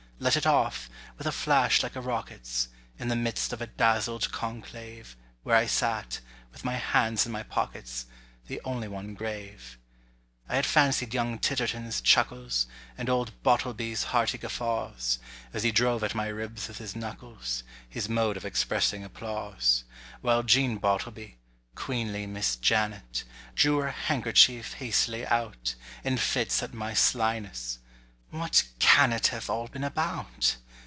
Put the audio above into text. Let it off, with a flash like a rocket's; In the midst of a dazzled conclave, Where I sat, with my hands in my pockets, The only one grave. I had fancied young Titterton's chuckles, And old Bottleby's hearty guffaws As he drove at my ribs with his knuckles, His mode of expressing applause: While Jean Bottleby—queenly Miss Janet— Drew her handkerchief hastily out, In fits at my slyness—what can it Have all been about?